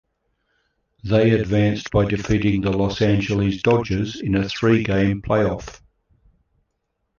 They advanced by defeating the Los Angeles Dodgers in a three-game playoff.